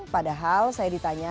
padahal saya ditanya